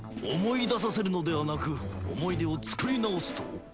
思い出させるのではなく思い出を作り直すと？